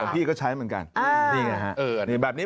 พี่ก็ใช้เหมือนกันนี่แหละฮะ